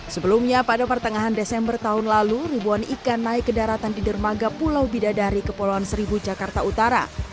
sebelumnya pada pertengahan desember tahun lalu ribuan ikan naik ke daratan di dermaga pulau bidadari kepulauan seribu jakarta utara